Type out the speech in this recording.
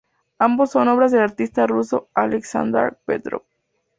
Ambos son obras del artista ruso Aleksandr Petrov.